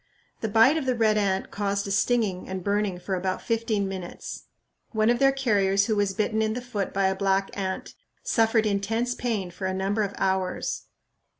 The bite of the red ant caused a stinging and burning for about fifteen minutes. One of their carriers who was bitten in the foot by a black ant suffered intense pain for a number of hours.